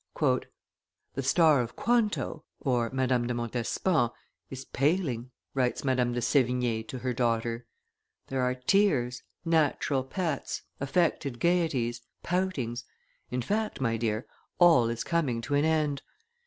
"The star of Quanto (Madame de Montespan) is paling," writes Madame de Sevigne to her daughter; "there are tears, natural pets, affected gayeties, poutings in fact, my dear, all is coming to an end.